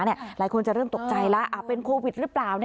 หลายคนจะเริ่มตกใจแล้วเป็นโควิดหรือเปล่า